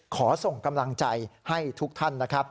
ขอส่งกำลังใจให้ทุกท่านนะครับ